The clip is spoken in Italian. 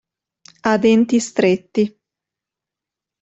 A denti stretti